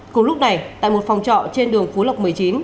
cùng lúc này tại một phòng trọ trên đường phú lộc một mươi chín